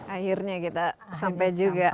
akhirnya kita sampai juga